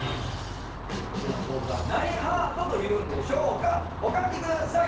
こちらのポーズは何ハートというんでしょうかお書きください！